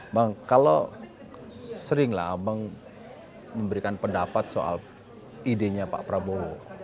bang kalau sering lah abang memberikan pendapat soal idenya pak prabowo